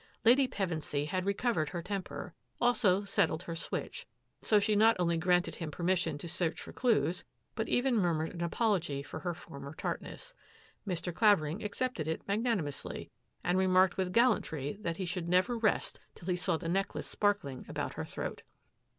Lady Pevensy had recovered her temper, also settled her switch, so she not only granted him permission to search for clues, but even murmured an apology for her former tartness. Mr. Claver ing accepted it magnanimously and remarked with gallantry that he should never rest till he saw the necklace sparkling about her throat.